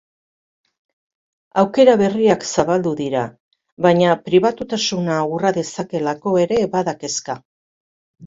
Aukera berriak zabaldu dira baina pribatutasuna urra dezakeelako ere bada kezka.